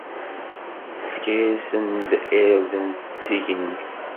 Ifka-asen-d irden seg yigenni.